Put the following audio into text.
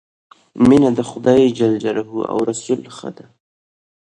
مینه د خدای ج او رسول ښه ده.